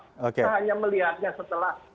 saya hanya melihatnya setelah